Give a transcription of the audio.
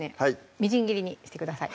みじん切りにしてください